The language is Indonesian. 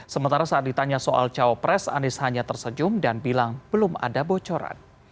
sementara saat ditanya soal cawapres anies hanya tersejum dan bilang belum ada bocoran